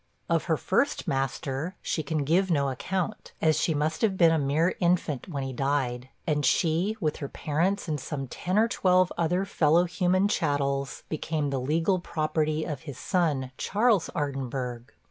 Of her first master, she can give no account, as she must have been a mere infant when he died; and she, with her parents and some ten or twelve other fellow human chattels, became the legal property of his son, Charles Ardinburgh.